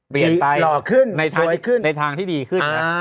เปลี่ยนไปหล่อขึ้นสวยขึ้นในทางที่ดีขึ้นอ่า